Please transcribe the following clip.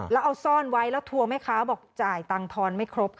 แล้วเอาซ่อนไว้แล้วทัวร์แม่ค้าบอกจ่ายตังค์ทอนไม่ครบค่ะ